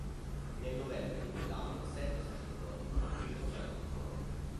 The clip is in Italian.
Nel novembre di quell'anno sette sacerdoti fuggirono dalla prigione.